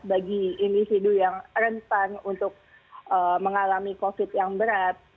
bagi individu yang rentan untuk mengalami covid yang berat